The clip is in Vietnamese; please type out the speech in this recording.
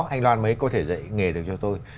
anh loan mới có thể dạy nghề được cho tôi